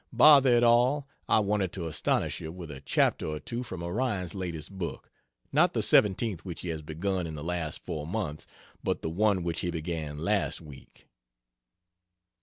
Bother it all, I wanted to astonish you with a chapter or two from Orion's latest book not the seventeen which he has begun in the last four months, but the one which he began last week.